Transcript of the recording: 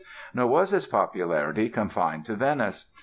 Nor was its popularity confined to Venice.